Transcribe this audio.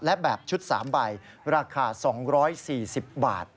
และแบบชุด๓ใบราคา๒๔๐บาท